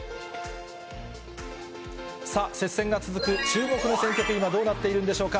さあ、接戦が続く注目の選挙区、今どうなっているんでしょうか。